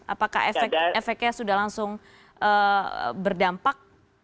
apakah efeknya sudah langsung berdampak